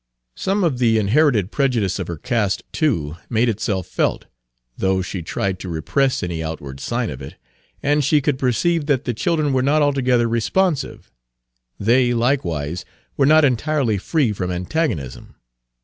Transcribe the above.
Some of the inherited prejudice of her caste, too, made itself felt, though she tried to repress any outward sign of it; and she could perceive that the children Page 274 were not altogether responsive; they, likewise, were not entirely free from antagonism.